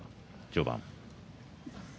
序盤。